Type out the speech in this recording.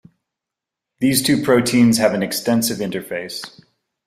These two proteins have an extensive interface.